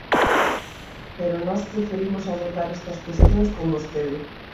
Pero nós preferimos abordar estas cuestións con vostede.